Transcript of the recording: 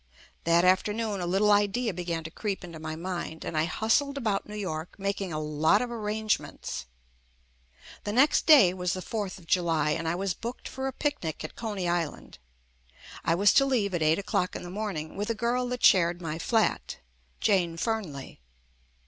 That afternoon a little idea began to creep into my mind, and I hustled about New York making a lot of arrangements. The next day was the Fourth of July, and I was booked for a picnic at Coney Island. I was to leave at eight o'clock in the morning with a girl that shared my flat — "Jane Fearnley."